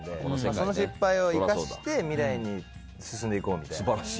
その失敗を生かして未来に進んでいこうみたいな。